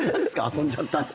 遊んじゃったって。